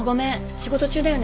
仕事中だよね？